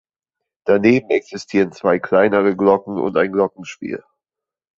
Daneben existieren zwei kleinere Glocken und ein Glockenspiel.